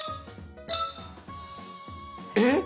えっ！